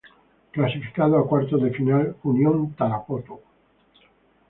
Clasificado a Cuartos de final: Unión Tarapoto.